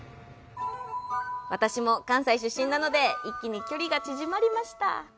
私も関西出身なので一気に距離が縮まりました。